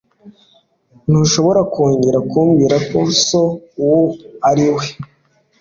ntushobora kongera kumbwira so uwo ari we